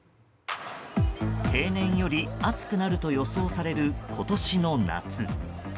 平年より暑くなると予想される今年の夏。